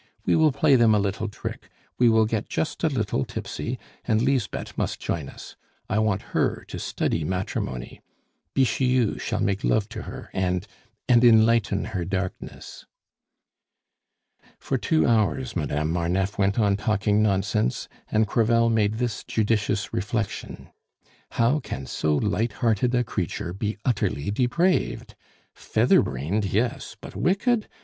We will play them a little trick, we will get just a little tipsy, and Lisbeth must join us. I want her to study matrimony; Bixiou shall make love to her, and and enlighten her darkness." For two hours Madame Marneffe went on talking nonsense, and Crevel made this judicious reflection: "How can so light hearted a creature be utterly depraved? Feather brained, yes! but wicked?